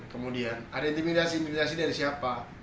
kemudian ada intimidasi intimidasi dari siapa